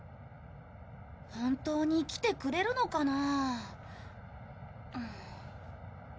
本当に来てくれるのかなぁ？